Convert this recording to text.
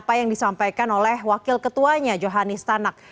apa yang disampaikan oleh wakil ketuanya johanis tanak